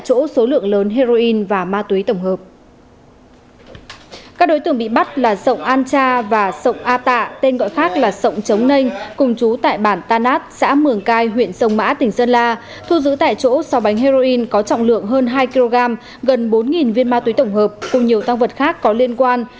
các đối tượng bị bắt là rộng an cha và sổng a tạ tên gọi khác là sộng chống nênh cùng chú tại bản ta nát xã mường cai huyện sông mã tỉnh sơn la thu giữ tại chỗ sáu bánh heroin có trọng lượng hơn hai kg gần bốn viên ma túy tổng hợp cùng nhiều tăng vật khác có liên quan